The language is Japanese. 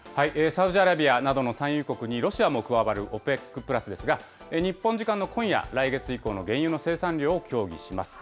サウジアラビアなどの産油国にロシアも加わるＯＰＥＣプラスですが、日本時間の今夜、来月以降の原油の生産量を協議します。